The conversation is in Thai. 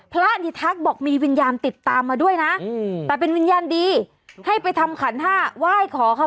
ดิทักบอกมีวิญญาณติดตามมาด้วยนะแต่เป็นวิญญาณดีให้ไปทำขันห้าไหว้ขอเขา